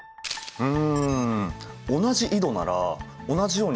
うん？